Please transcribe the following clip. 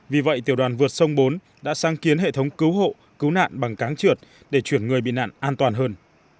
vì vậy tiểu đoàn vượt sông bốn đã sang kiến hệ thống cứu hộ cứu nạn bằng cáng trượt để chuyển người bị nạn an toàn hơn